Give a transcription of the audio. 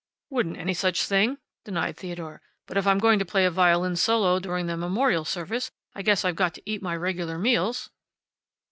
"Wouldn't any such thing," denied Theodore. "But if I'm going to play a violin solo during the memorial service I guess I've got to eat my regular meals."